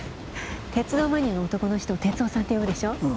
鉄道マニアの男の人を鉄男さんって呼ぶでしょう。